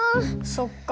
そっか。